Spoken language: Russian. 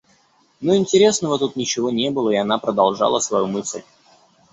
Но интересного тут ничего не было, и она продолжала свою мысль.